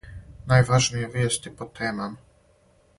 Најважније вијести по темама